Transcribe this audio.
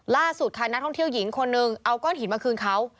ล่าสุดค่ะนักท่องเที่ยวหญิงคนนึงเอาก้อนหินมาคืนเขา